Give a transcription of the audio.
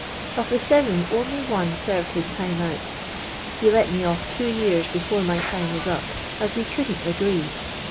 Of the N'vni only one served his time out. He let me oil" two yrarrt before my time was up, as wo oiuMn'l aciei'.